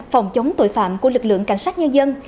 phòng chống tội phạm của lực lượng cảnh sát nhân dân